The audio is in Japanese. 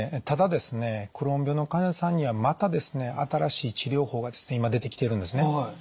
ただですねクローン病の患者さんにはまたですね新しい治療法がですね今出てきているんですね。